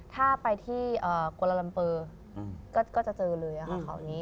ถ้าไปที่โกลาลัมเปอร์ก็จะเจอเลยค่ะข่าวนี้